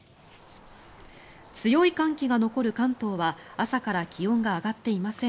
強い寒気が残る関東は朝から気温が上がっていません。